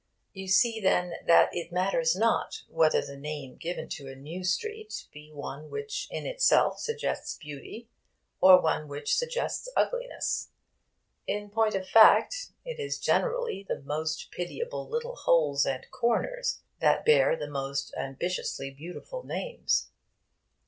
You see, then, that it matters not whether the name given to a new street be one which in itself suggests beauty, or one which suggests ugliness. In point of fact, it is generally the most pitiable little holes and corners that bear the most ambitiously beautiful names.